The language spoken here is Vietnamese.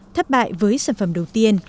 thất bại với sản phẩm đầu tiên